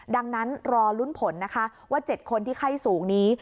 ดังนั้นรอลุ้นผลนะคะว่า๗คนที่ไข้สูงนี้